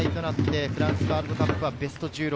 フランスワールドカップはベスト１６。